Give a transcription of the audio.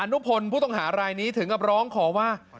นุพลผู้ต้องหารายนี้ถึงกับร้องขอว่า